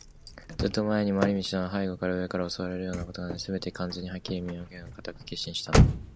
ずっと前に、廻り道などして背後や上から襲われるようなことがないように、すべてを完全にはっきり見きわめようと固く決心していたのだった。